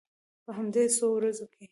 په همدې څو ورځو کې.